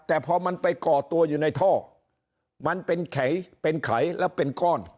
แต่พอมันไปก่อตัวอยู่ในท่อมันเป็นไขเป็นไขแล้วเป็นก้อน